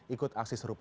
ikut aksi serupa